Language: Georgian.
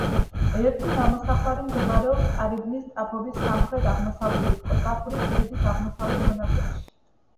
ერთი ნამოსახლარი მდებარეობს ტარიბნის ტაფობის სამხრეთაღმოსავლეთით, კოწახურის ქედის აღმოსავლეთ მონაკვეთში.